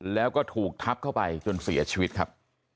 แล้วก็ถูกทับเข้าไปจนเสียชีวิตครับ